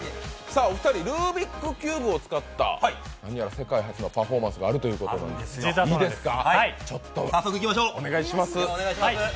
お二人、ルービックキューブを使った何やら世界初のパフォーマンスがあるということで、いいですか？